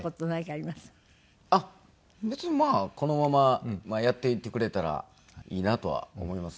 あっ別にまあこのままやっていってくれたらいいなとは思います。